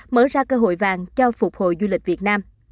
mở ra cơ hội vàng cho phục hồi du lịch việt nam